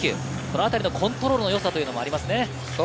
このあたりのコントロールのよさというのもありますね。